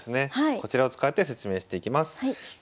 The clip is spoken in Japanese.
こちらを使って説明していきます。